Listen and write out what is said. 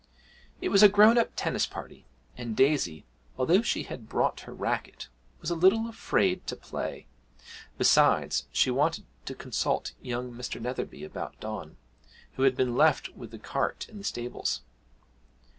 It was a grown up tennis party, and Daisy, although she had brought her racket, was a little afraid to play; besides, she wanted to consult young Mr. Netherby about Don, who had been left with the cart in the stables.